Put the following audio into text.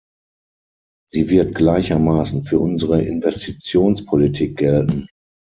Sie wird gleichermaßen für unsere Investitionspolitik gelten.